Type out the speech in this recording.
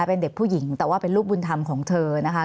เป็นเด็กผู้หญิงแต่ว่าเป็นลูกบุญธรรมของเธอนะคะ